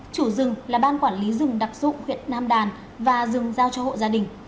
chủ rừng là ban quản lý rừng đặc dụng huyện nam đàn và rừng giao cho hộ gia đình